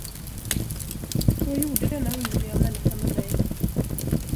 Så gjorde denna underliga människa med mig.